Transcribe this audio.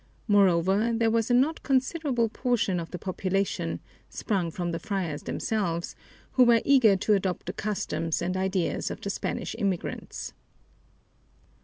Moreover, there was a not inconsiderable portion of the population, sprung from the friars themselves, who were eager to adopt the customs and ideas of the Spanish immigrants.